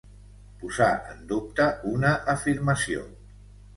Posar en dubte una afirmació.